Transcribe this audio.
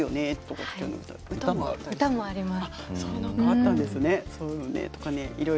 歌もあります。